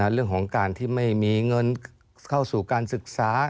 เรื่องของการที่ไม่มีเงินเข้าสู่การศึกษา